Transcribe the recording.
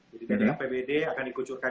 jadi dengan pbd akan dikucurkan